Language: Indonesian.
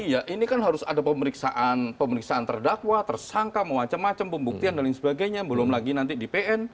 ya ini kan harus ada pemeriksaan pemeriksaan terdakwa tersangka mau macam macam pembuktian dan lain sebagainya belum lagi nanti di pn